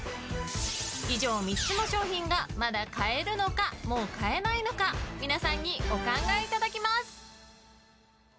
以上３つの商品がまだ買えるのかもう買えないのか皆さんにお考えいただきます。